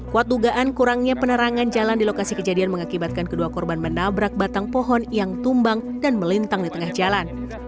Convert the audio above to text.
kuat dugaan kurangnya penerangan jalan di lokasi kejadian mengakibatkan kedua korban menabrak batang pohon yang tumbang dan melintang di tengah jalan